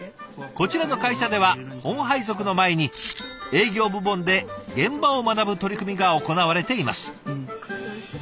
こちらの会社では本配属の前に営業部門で現場を学ぶ取り組みが行われています。